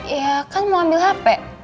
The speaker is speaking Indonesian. ya kan mau ambil hp